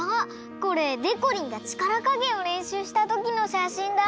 これでこりんがちからかげんをれんしゅうしたときのしゃしんだ。